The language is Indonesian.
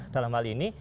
dalam hal ini